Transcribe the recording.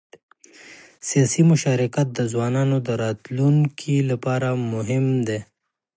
سیاسي مشارکت د ځوانانو د راتلونکي لپاره مهم دی